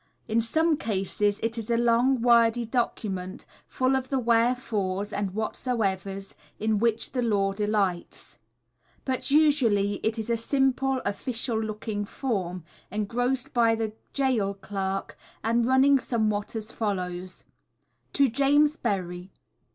In some cases it is a long, wordy document, full of the "wherefores" and "whatsoevers" in which the law delights. But usually it is a simple, official looking form, engrossed by the gaol clerk, and running somewhat as follows: _To JAMES BERRY.